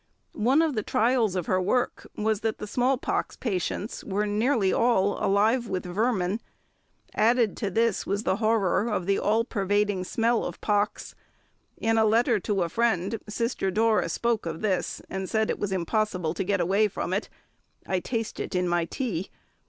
One of the trials of her work was that the small pox patients were nearly all "alive" with vermin; added to this was the horror of the all pervading smell of pox; in a letter to a friend, Sister Dora spoke of this, and said it was impossible to get away from it. "I taste it in my tea!"